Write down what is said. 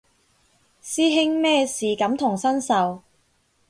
師兄咩事感同身受